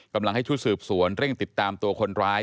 กำลังให้ชุดสืบสวนเร่งติดตามตัวคนร้าย